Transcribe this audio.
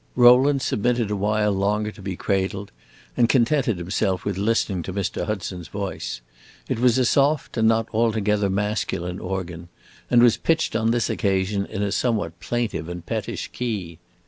Rowland submitted a while longer to be cradled, and contented himself with listening to Mr. Hudson's voice. It was a soft and not altogether masculine organ, and was pitched on this occasion in a somewhat plaintive and pettish key.